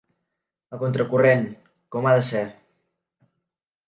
A contracorrent, com ha de ser.